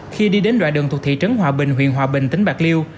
khi đi đến đoạn đường thuộc thị trấn hòa bình huyện hòa bình tỉnh bạc liêu